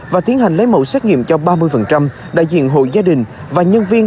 và tiến hành lấy mẫu xét nghiệm cho ba mươi đại diện hội gia đình và nhân viên